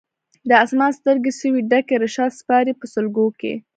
د اسمان سترګي سوې ډکي رشاد سپاري په سلګو کي